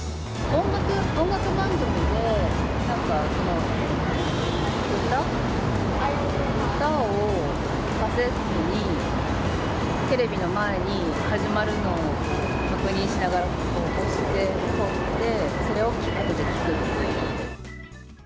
音楽番組で、なんか歌、歌をカセットに、テレビの前に、始まるのを確認しながら押してとって、それを後で聴くっていう。